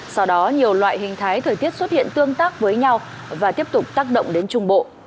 sau đó nhiều loại hình thái thời tiết xuất hiện tương tác với nhau và tiếp tục tác động đến trung bộ